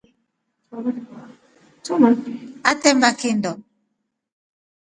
Atemba kindo.